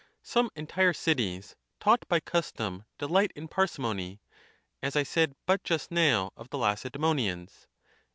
Some entire cities, taught by custom, delight in parsimony, as I said but just now of the Lacedsemo nians.